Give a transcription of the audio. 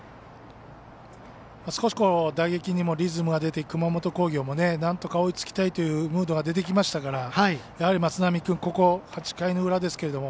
少し打撃にもリズムが出て熊本工業もなんとか追いつきたいというムードが出てきましたからやはり松波君８回の裏ですけれども。